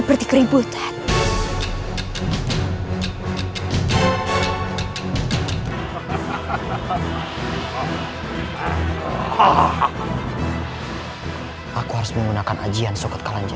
ketika bila suara rairar merupakancause waspada